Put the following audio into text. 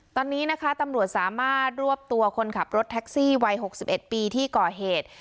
ตอนนี้นะคะตำรวจสามารถรวบตัวคนขับรถแท็กซี่วัย๖๑ปีที่ก่อเหตุ